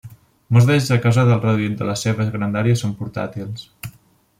Molts d'ells a causa del reduït de la seva grandària són portàtils.